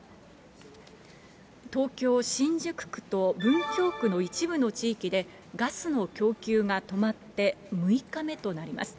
東京・新宿区と文京区の一部の地域で、ガスの供給が止まって６日目となります。